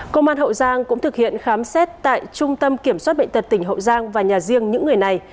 công an hậu giang cũng thực hiện khám xét tại trung tâm kiểm soát bệnh tật tỉnh hậu giang và nhà riêng những người này